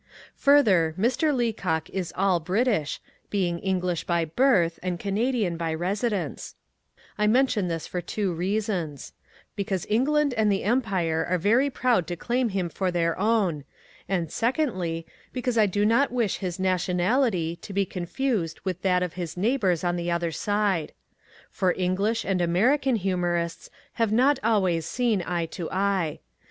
Further, Mr. Leacock is all British, being English by birth and Canadian by residence, I mention this for two reasons: firstly, because England and the Empire are very proud to claim him for their own, and, secondly, because I do not wish his nationality to be confused with that of his neighbours on the other side. For English and American humourists have not always seen eye to eye.